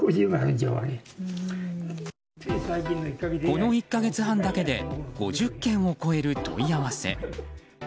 この１か月半だけで５０件を超える問い合わせ。